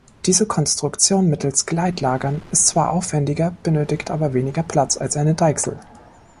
Diese Konstruktion mittels Gleitlagern ist zwar aufwendiger, benötigt aber weniger Platz als eine Deichsel.